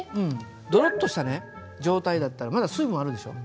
ドロッとした状態だったらまだ水分あるでしょ？